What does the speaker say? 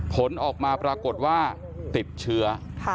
ผลออกมาปรากฏว่าติดเชื้อ